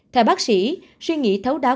theo bác sĩ suy nghĩ thấu đáo